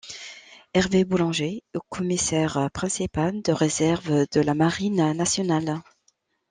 Hervé Boullanger est commissaires principal de réserve de la marine nationale.